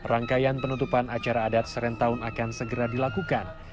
rangkaian penutupan acara serentown akan segera dilakukan